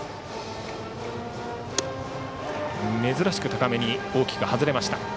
珍しく高めに大きく外れました。